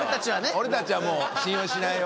俺たちはもう信用しないよ。